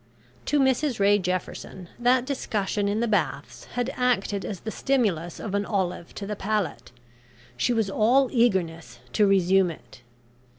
To Mrs Ray Jefferson, that discussion in the Baths had acted as the stimulus of an olive to the palate. She was all eagerness to resume it.